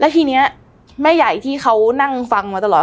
ทีนี้แม่ใหญ่ที่เขานั่งฟังมาตลอด